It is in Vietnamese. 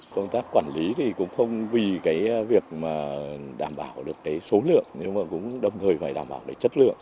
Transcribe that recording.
công tác quản lý cũng không vì việc đảm bảo số lượng nhưng cũng đồng thời phải đảm bảo chất lượng